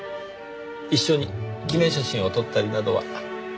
一緒に記念写真を撮ったりなどは？